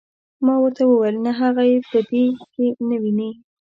ما ورته وویل نه هغه یې په دې کې نه ویني.